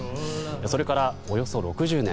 それから、およそ６０年。